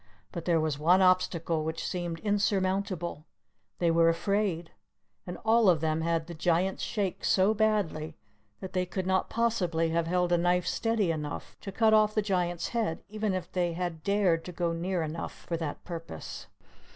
But there was one obstacle which seemed insurmountable: they were afraid, and all of them had the Giant's Shakes so badly, that they could not possibly have held a knife steady enough to cut off the Giant's head, even if they had dared to go near enough for that purpose.